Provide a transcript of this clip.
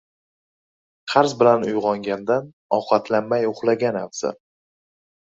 • Qarz bilan uyg‘ongandan ovqatlanmay uxlagan afzal.